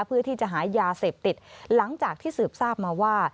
เพื่อที่จะหายาเสพติดหลังจากที่สืบทราบมาว่า